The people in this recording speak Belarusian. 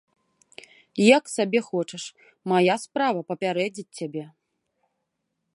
Як сабе хочаш, мая справа папярэдзіць цябе.